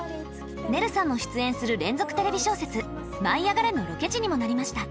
ねるさんも出演する連続テレビ小説「舞いあがれ！」のロケ地にもなりました。